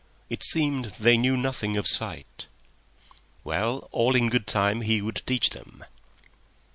It seemed they knew nothing of sight. Well, all in good time he would teach them.